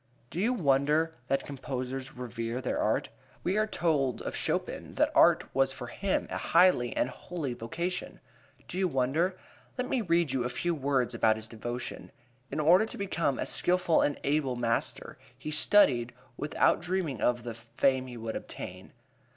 Do you wonder that composers revere their art? We are told of Chopin that art was for him a high and holy vocation. Do you wonder? Let me read you a few words about his devotion: "In order to become a skilful and able master he studied, without dreaming of the ... fame he would obtain."